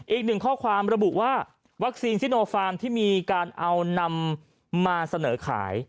อีกหนึ่งข้อความระบุว่าวัคซีนซิโนฟาร์มที่มีการเอานำมาเสนอขาย